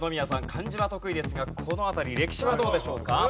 漢字は得意ですがこの辺り歴史はどうでしょうか？